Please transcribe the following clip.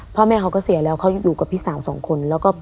พ่อแม่เขาก็เสียแล้วเขาอยู่กับพี่สาวสองคน